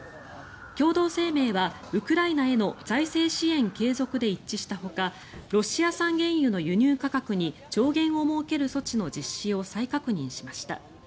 共同声明はウクライナへの財政支援継続で一致したほかロシア産原油の輸入価格に上限を設ける措置の実施を再確認しました。